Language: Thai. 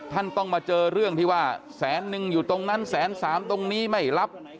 ท่านต้องมาเจอเรื่องที่ว่าแสนนึงอยู่ตรงนั้นแสนสามตรงนี้ไม่รับ